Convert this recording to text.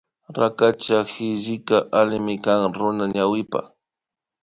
Rakacha hillika allimi kan runapa ñawipa